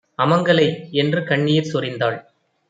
அமங்கலை" என்றுகண் ணீர்சொரிந்தாள்!